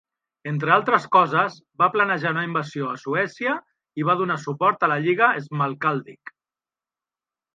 Entre altres coses, va planejar una invasió a Suècia i va donar suport a la Lliga Schmalkaldic.